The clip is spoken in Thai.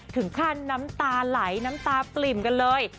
ถึงขั้นน้ำตาไหลน้ำตาปริ่มกันเลย